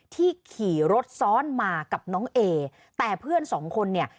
ที่ขี่รถซ้อนมากับน้องเอแต่เพื่อนสองคนเนี่ย